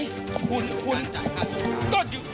ราคาศูนย์กลาง